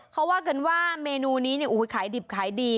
เขาว่ากันว่าเมนูนี้ขายดิบขายดี